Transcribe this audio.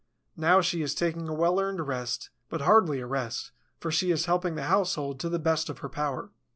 Now she is taking a well earned rest, but hardly a rest, for she is helping the household to the best of her power.